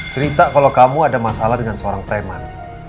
cerita kalau kamu ada masalah dengan seorang preman